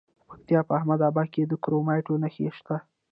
د پکتیا په احمد اباد کې د کرومایټ نښې شته.